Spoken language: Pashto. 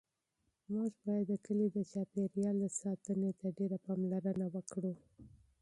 موږ باید د کلي د چاپیریال ساتنې ته ډېره پاملرنه وکړو.